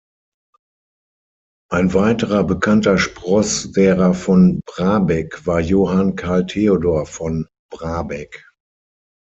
Ein weiterer bekannter Spross derer von Brabeck war Johann Karl Theodor von Brabeck.